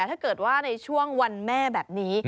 ถ้าเกิดว่าในช่วงวันแม่แบบนี้